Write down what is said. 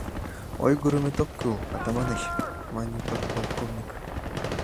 — Ойгырымет ок кӱл, Атаманыч! — мане подполковник.